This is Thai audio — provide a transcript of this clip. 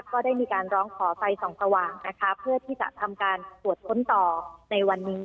ก็ได้มีการร้องขอไฟส่องสว่างนะคะเพื่อที่จะทำการตรวจค้นต่อในวันนี้